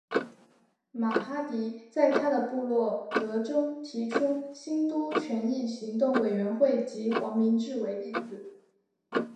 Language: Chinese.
马哈迪在他的部落格中提出兴都权益行动委员会及黄明志为例子。